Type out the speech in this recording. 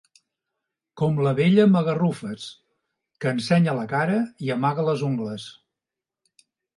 Com la vella Magarrufes, que ensenya la cara i amaga les ungles.